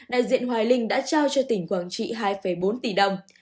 đại diện hoài linh đã trao cho tỉnh quảng trị hai bốn tỷ đồng